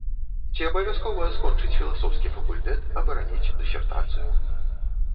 Ці абавязкова скончыць філасофскі факультэт, абараніць дысертацыю?